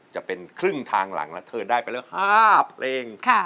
จะเป็นครึ่งทางหลังแล้วเธอได้ไปแล้ว๕เพลง